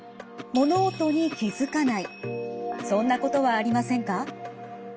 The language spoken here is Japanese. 最近そんなことはありませんか。